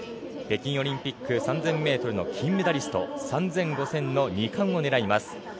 北京オリンピック３０００ｍの金メダリスト３０００、５０００の２冠を狙います。